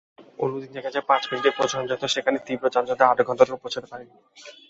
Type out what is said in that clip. অন্যদিন যেখানে পাঁচ মিনিটেই পৌঁছানো যেত সেখানে তীব্র যানজটে আধঘণ্টাতেও পৌঁছাতে পারিনি।